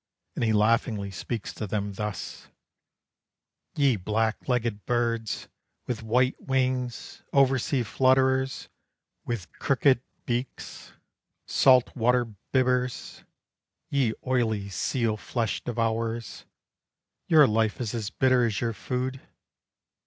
And he laughingly speaks to them thus: "Ye black legged birds, With white wings, oversea flutterers! With crooked beaks, salt water bibbers, Ye oily seal flesh devourers! Your life is as bitter as your food.